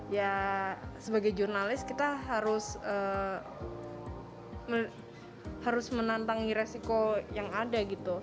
ya sebagai jurnalis kita harus menantangi resiko yang ada gitu